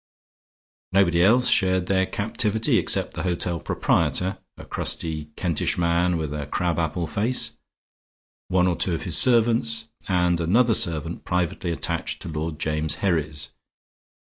Nobody else shared their captivity except the hotel proprietor, a crusty Kentish man with a crab apple face, one or two of his servants, and another servant privately attached to Lord James Herries.